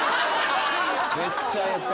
めっちゃエセ。